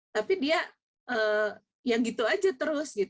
tapi dia yang gitu aja terus